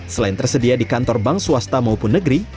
selain tersedia di kantor bank swasta maupun negeri